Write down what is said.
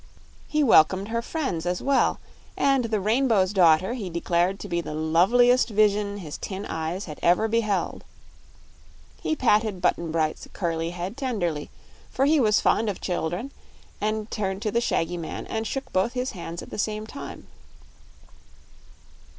He welcomed her friends as well, and the Rainbow's Daughter he declared to be the loveliest vision his tin eyes had ever beheld. He patted Button Bright's curly head tenderly, for he was fond of children, and turned to the shaggy man and shook both his hands at the same time.